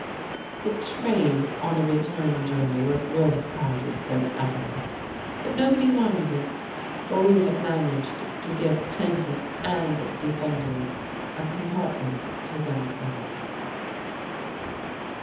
The train on the return journey was worse crowded than ever; but nobody minded. For we had managed to give plaintiff and defendant a compartment to themselves.